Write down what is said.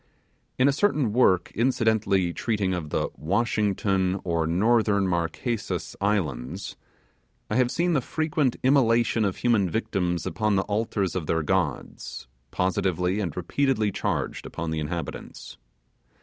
In a certain work incidentally treating of the 'Washington, or Northern Marquesas Islands,' I have seen the frequent immolation of human victims upon the altars of their gods, positively and repeatedly charged upon the inhabitants.